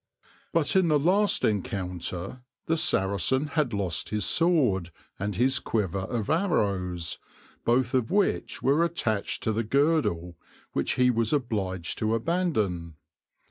But in the last encounter the Saracen had lost his sword and his quiver of arrows, both of which were attached to the girdle, which he was obliged to abandon.